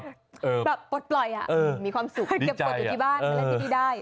ปลดปล่อยมีความสุขเก็บปลดอยู่ที่บ้านมาเล่นที่นี่ได้